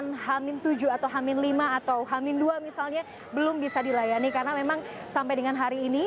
nah ini juga keberangkatan h tujuh atau h lima atau h dua misalnya belum bisa dilayani karena memang sampai dengan hari ini